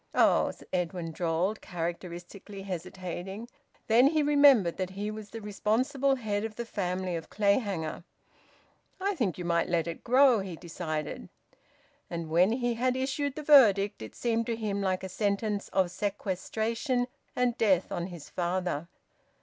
"Oh!" Edwin drawled, characteristically hesitating. Then he remembered that he was the responsible head of the family of Clayhanger. "I think you might let it grow," he decided. And when he had issued the verdict, it seemed to him like a sentence of sequestration and death on his father...